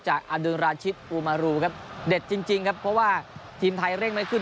อดุลราชิตอูมารูครับเด็ดจริงครับเพราะว่าทีมไทยเร่งไม่ขึ้น